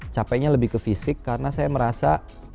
capeknya lebih ke fisik karena saya merasa